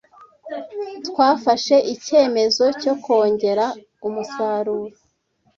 Twafashe icyemezo cyo kongera umusaruro.